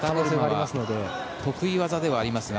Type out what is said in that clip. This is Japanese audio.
得意技ではありますが。